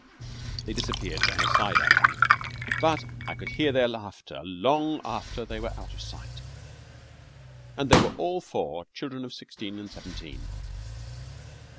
They disappeared down a side avenue, but I could hear their laughter long after they were out of sight. And they were all four children of sixteen and seventeen.